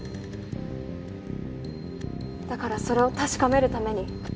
だからそれを確かめるために。